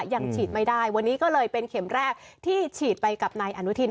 ยังฉีดไม่ได้วันนี้ก็เลยเป็นเข็มแรกที่ฉีดไปกับนายอนุทิน